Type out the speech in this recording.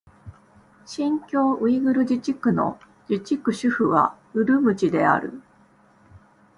新疆ウイグル自治区の自治区首府はウルムチである